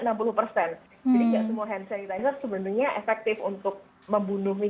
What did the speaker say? jadi tidak semua hand sanitizer sebenarnya efektif untuk membunuh mikroorganisme